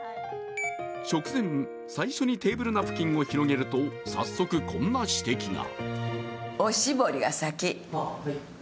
食前、最初にテーブルナプキンを広げると、早速こんな指摘が。